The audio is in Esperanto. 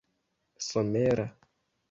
somera